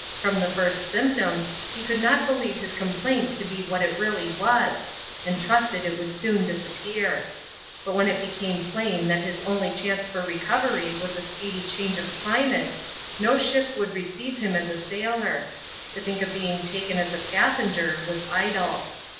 From the first symptoms, he could not believe his complaint to be what it really was, and trusted it would soon disappear. But when it became plain that his only chance for recovery was a speedy change of climate, no ship would receive him as a sailor : to think of being taken as a passenger, was idle.